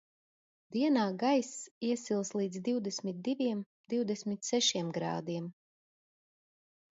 Dienā gaiss iesils līdz divdesmit diviem divdesmit sešiem grādiem.